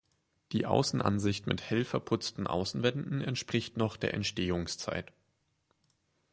Die Außenansicht mit hell verputzten Außenwänden entspricht noch der Entstehungszeit.